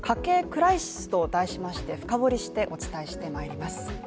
クライシスと題しまして深掘りしてお伝えしてまいります。